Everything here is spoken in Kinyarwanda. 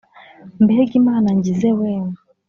"mbega imana ngize weee